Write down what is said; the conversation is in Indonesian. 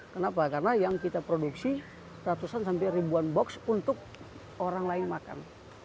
kenapa karena yang kita produksi ratusan sampai ribuan box untuk orang lain makan